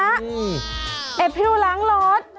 ไอ้พิวล้างรถ